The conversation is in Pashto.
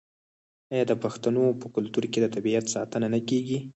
آیا د پښتنو په کلتور کې د طبیعت ساتنه نه کیږي؟